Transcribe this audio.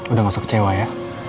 udah gak usah kecewa ya